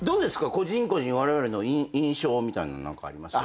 個人個人われわれの印象みたいなの何かあります？